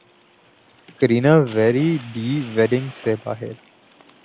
Kareena Veere Di wedding سے باہر